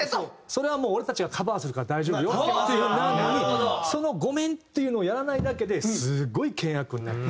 それはもう俺たちがカバーするから大丈夫よっていう風になるのにその「ごめん」っていうのをやらないだけですごい険悪になる。